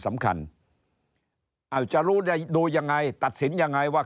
อาจารูดูยังไงตัดสินยังไงว่า